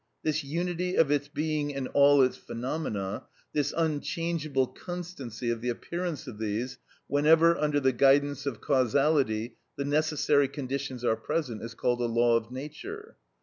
This unity of its being in all its phenomena, this unchangeable constancy of the appearance of these, whenever, under the guidance of causality, the necessary conditions are present, is called a law of nature.